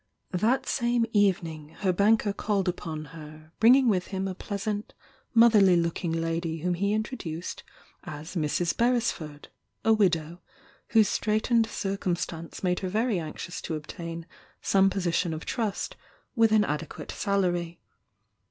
That same evening her banker called upon her. 844 THE YOUNG DIANA bringing with him a pleasant motherly looking lady whom he introduced as Mrs. Beresford, a widow, whose straitened circumstance made her very anx ious to obtain some position of trust, with an ade quate salary.